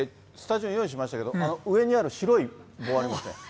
スタジオに用意しましたけど、上にある白い棒ありますね。